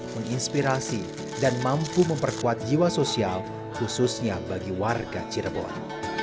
menginspirasi dan mampu memperkuat jiwa sosial khususnya bagi warga cirebon